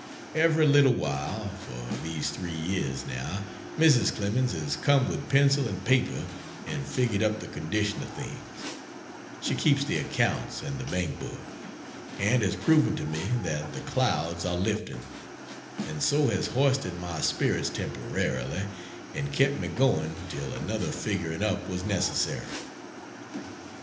Every little while, for these three years, now, Mrs. Clemens has come with pencil and paper and figured up the condition of things (she keeps the accounts and the bank book) and has proven to me that the clouds were lifting, and so has hoisted my spirits temporarily and kept me going till another figuring up was necessary.